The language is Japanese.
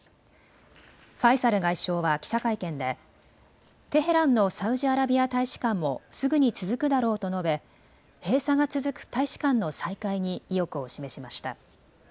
ファイサル外相は記者会見でテヘランのサウジアラビア大使館もすぐに続くだろうと述べ閉鎖が続く大使館の再開に意欲を示しました。